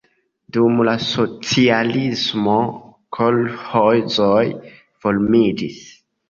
Dum la socialismo kolĥozoj formiĝis.